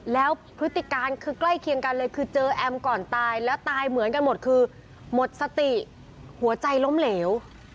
แล้วพฤติการคือใกล้เคียงกันเลยคือเจอแอมก่อนตายแล้วตายเหมือนกันหมดคือหมดสติหัวใจล้มเหลว